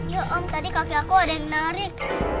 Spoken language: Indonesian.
ya om tadi kaki aku ada yang menarik